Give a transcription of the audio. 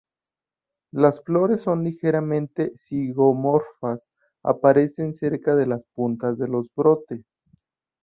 Las flores son ligeramente zigomorfas, aparecen cerca de las puntas de los brotes.